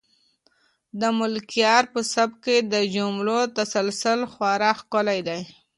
د ملکیار په سبک کې د جملو تسلسل خورا ښکلی دی.